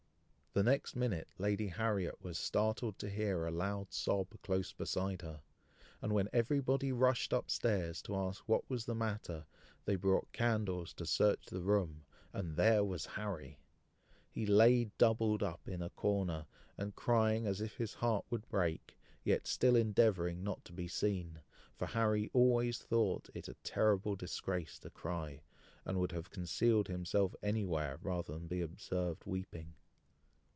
The next minute Lady Harriet was startled to hear a loud sob close beside her; and when everybody rushed up stairs to ask what was the matter, they brought candles to search the room, and there was Harry! He lay doubled up in a corner, and crying as if his heart would break, yet still endeavouring not to be seen; for Harry always thought it a terrible disgrace to cry, and would have concealed himself anywhere, rather than be observed weeping.